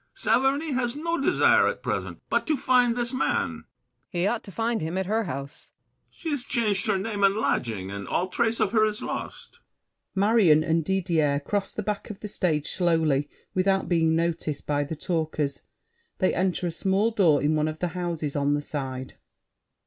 Saverny Has no desire, at present, but to find This man. BOUCHAVANNES. He ought to find him at her house. BRICHANTEAU. She's changed her name and lodging, and all trace Of her is lost. [Marion and Didier cross the back of the stage slowly without being noticed by the talkers; they enter a small door in one of the houses on the side.